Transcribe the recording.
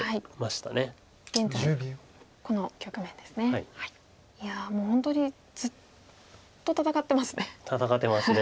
いやもう本当にずっと戦ってますね。